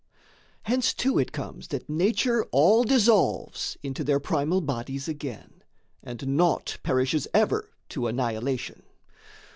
Hence too it comes that Nature all dissolves Into their primal bodies again, and naught Perishes ever to annihilation.